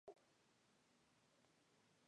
La presencia del macho de esta especie es rara.